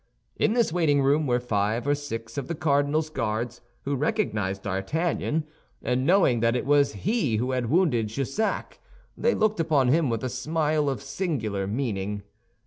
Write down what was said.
In this waiting room were five or six of the cardinal's Guards, who recognized D'Artagnan, and knowing that it was he who had wounded Jussac, they looked upon him with a smile of singular meaning.